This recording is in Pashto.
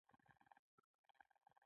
ګرګين کېناست، عسکر ته يې په حيرانۍ وکتل.